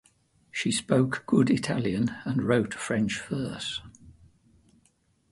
She spoke good Italian and wrote French verse.